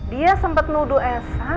dia sempet nuduh elsa